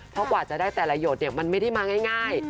เพราะกว่าจะได้แต่ละหยดมันไม่ได้มาง่าย